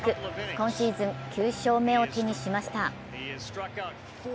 今シーズン９勝目を手にしました。